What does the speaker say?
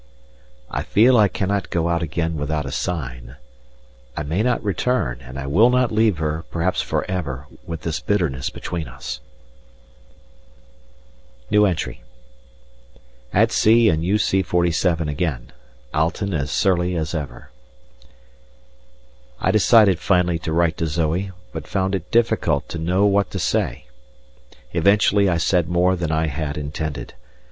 I feel I cannot go out again without a sign I may not return, and I will not leave her, perhaps for ever, with this bitterness between us. At sea in U.C.47 again. Alten as surly as ever. I decided finally to write to Zoe, but found it difficult to know what to say. Eventually I said more than I had intended.